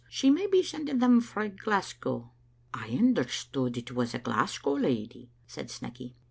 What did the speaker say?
She may be sending them frae Glasgow." " I aye understood it was a Glasgow lady, " said Snecky.